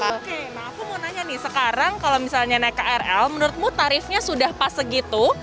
oke nah aku mau nanya nih sekarang kalau misalnya naik krl menurutmu tarifnya sudah pas segitu